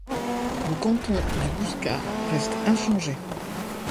Le canton du Bouscat reste inchangé.